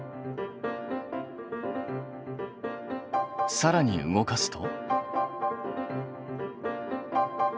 さらに動かすと？